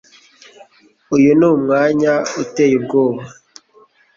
Uyu ni umwanya uteye ubwoba